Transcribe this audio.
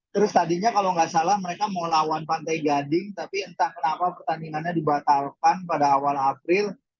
terus tadinya kalau nggak salah mereka mau lawan pantai gading tapi entah kenapa pertandingannya dibatalkan pada awal april